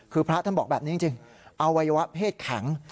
คือพระท่านบอกแบบนี้จริงอวัยวะเพศแข็ง